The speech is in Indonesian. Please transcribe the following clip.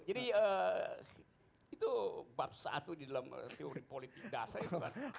jadi itu bab satu di dalam teori politik dasar itu